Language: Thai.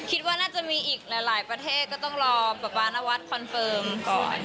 คิดว่าน่าจะมีอีกหลายประเทศก็ต้องรอแบบว่านวัดคอนเฟิร์มก่อน